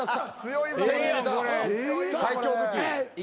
最強武器。